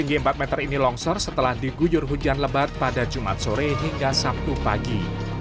tinggi empat meter ini longsor setelah diguyur hujan lebat pada jumat sore hingga sabtu pagi